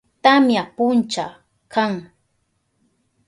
Tamya puncha kan.